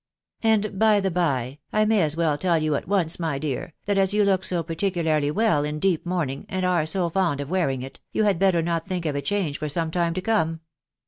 .•. And, by the by, I may as well tell you at once, my dear, that as you look so particularly well in deep mourning, and are so fond of wearing it, you had better not think of a change for some time to come.